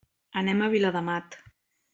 Anem a Viladamat.